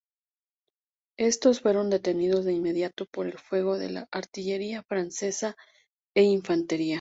Estos fueron detenidos de inmediato por el fuego de la artillería francesa e infantería.